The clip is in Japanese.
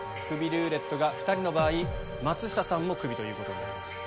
クビルーレットが２人の場合松下さんもクビということになります。